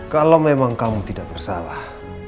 kalau memang kamu tidak bersalah